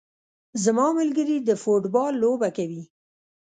زما ملګري د فوټبال لوبه کوي